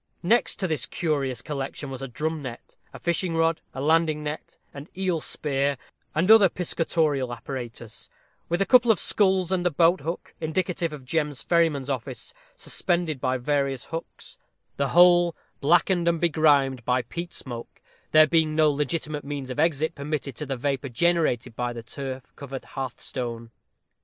Next to this curious collection was a drum net, a fishing rod, a landing net, an eel spear, and other piscatorial apparatus, with a couple of sculls and a boat hook, indicative of Jem's ferryman's office, suspended by various hooks; the whole blackened and begrimed by peat smoke, there being no legitimate means of exit permitted to the vapor generated by the turf covered hearthstone.